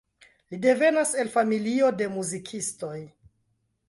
Li devenas el familio de muzikistoj.